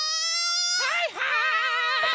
はいはい！